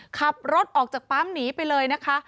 ขับรถออกจากปั๊มหนีไปเลยนะคะ